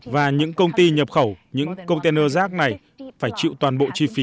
và những công ty nhập khẩu những container rác này phải chịu toàn bộ chi phí